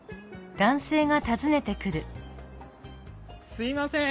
すいません！